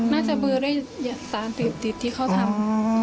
น่าจะเบื่อได้สารติดที่เขาทำ